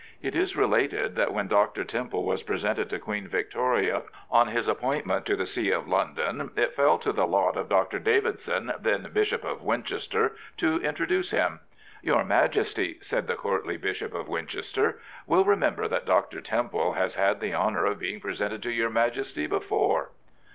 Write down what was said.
It is related that when Dr. Temple was presented to Queen Victoria on his appointment to the See of London, it fell to the lot of Dr. Davidson, then Bishop of Win chester, to introduce him. " Your Majesty," said the courtly Bishop of Winchester, " will remember that Dr. Temple has had the honour of being pre sented to your Majesty before."